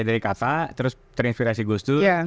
dari kata terus terinspirasi gustur